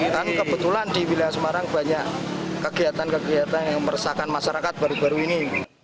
kan kebetulan di wilayah semarang banyak kegiatan kegiatan yang meresahkan masyarakat baru baru ini